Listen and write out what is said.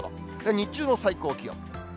日中の最高気温。